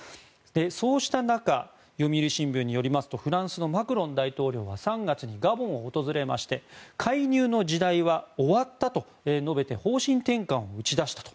そうした中読売新聞によりますとフランスのマクロン大統領は３月にガボンを訪れまして介入の時代は終わったと述べて方針転換を打ち出したと。